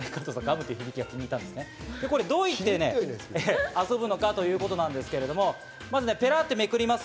どうやって遊ぶのかといいますと、まずペラっとめくります。